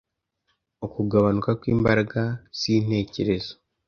Ukugabanuka kw’Imbaraga z’Intekerezo